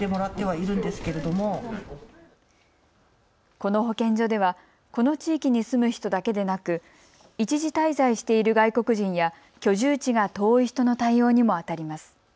この保健所ではこの地域に住む人だけでなく一時滞在している外国人や居住地が遠い人の対応にもあたります。